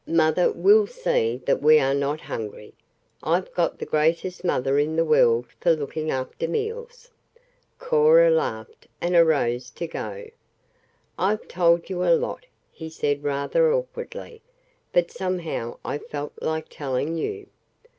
Mother will see that we are not hungry I've got the greatest mother in the world for looking after meals." Cora laughed, and arose to go. "I've told you a lot," he said rather awkwardly, "but somehow I felt like telling you."